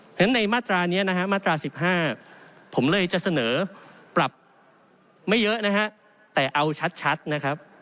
เพราะฉะนั้นในมาตรานี้นะฮะมาตรา๑๕ผมเลยจะเสนอปรับไม่เยอะนะฮะแต่เอาชัดนะครับ